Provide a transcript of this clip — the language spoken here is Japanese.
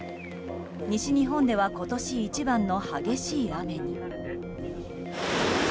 西日本では今年一番の激しい雨に。